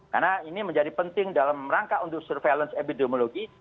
karena ini menjadi penting dalam rangka untuk surveillance epidemiologi